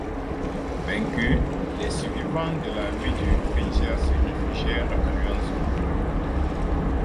Vaincus, les survivants de l'armée du Fengtian se réfugièrent à Luanzhou.